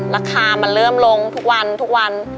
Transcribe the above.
ราคามันเริ่มลงทุกวันทุกวัน